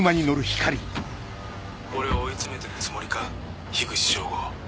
俺を追い詰めてるつもりか口彰吾。